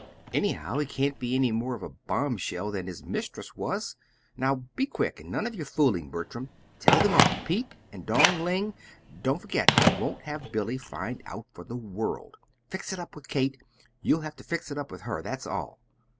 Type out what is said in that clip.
Anyhow, he can't be any more of a bombshell than his mistress was. Now be quick, and none of your fooling, Bertram. Tell them all Pete and Dong Ling. Don't forget. I wouldn't have Billy find out for the world! Fix it up with Kate. You'll have to fix it up with her; that's all!"